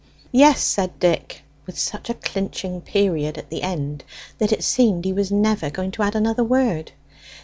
"Yes," said Dick, with such a clinching period at the end that it seemed he was never going to add another word.